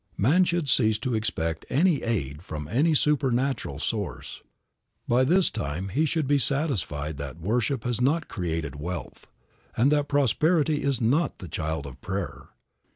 Man should cease to expect any aid from any supernatural source. By this time he should be satisfied that worship has not created wealth, and that prosperity is not the child of prayer.